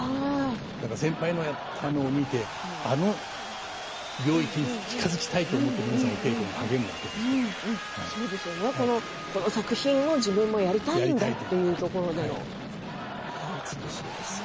だから先輩がやったのを見てあの領域に近づきたいと思って皆さんお稽古にこの作品を自分もやりたいんだというところでの美しいです。